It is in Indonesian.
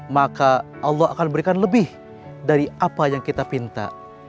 maka allah akan berikan lebih dari apa yang kita minta